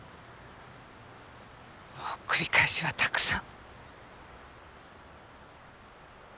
もう繰り返しはたくさん。